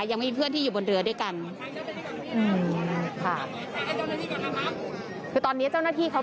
ยังมีเพื่อนที่อยู่บนเรือด้วยกันอืมค่ะคือตอนเนี้ยเจ้าหน้าที่เขา